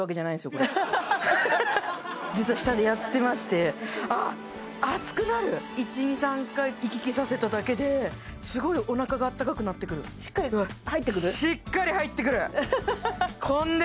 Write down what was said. これ実は下でやってましてあっ熱くなる１２３回行き来させただけですごいおなかが温かくなってくるしっかり入ってくる？